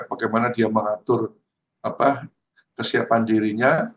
bagaimana dia mengatur kesiapan dirinya